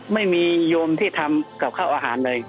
ไม่มีโยมที่ทำกับข้าวอาหารเลย